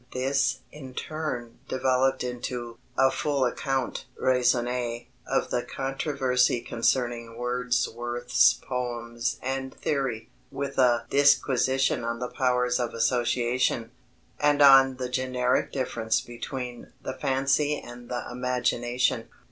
This in turn developed into "a full account (raisonné) of the controversy concerning Wordsworth's poems and theory," with a "disquisition on the powers of Association ... and on the generic difference between the Fancy and the Imagination."